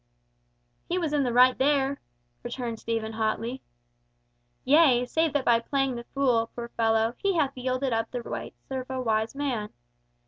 "He was in the right there," returned Stephen, hotly. "Yea, save that by playing the fool, poor fellow, he hath yielded up the rights of a wise man.